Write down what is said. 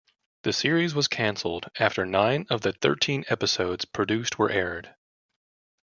The series was canceled after nine of the thirteen episodes produced were aired.